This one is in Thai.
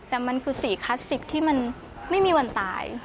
แต่มันคือสีคลาสสิกที่มันไม่มีวันตาย